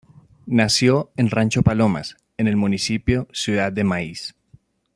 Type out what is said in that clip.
Nació en Rancho Palomas, en el municipio Ciudad de Maíz.